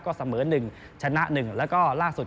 ก็เสมอหนึ่งชนะหนึ่งแล้วก็ล่าสุด